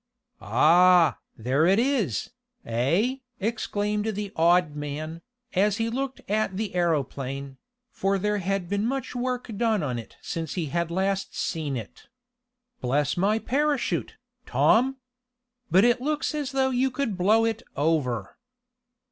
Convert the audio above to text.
"Ah! there it is, eh?" exclaimed the odd man, as he looked at the aeroplane, for there had been much work done on it since he had last seen it. "Bless my parachute, Tom! But it looks as though you could blow it over."